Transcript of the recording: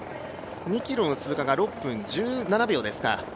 ２ｋｍの通過が６分１７秒ですか。